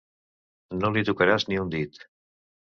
No li tocaràs ni un dit!».